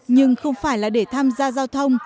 nhưng không phải là để tham gia giao thông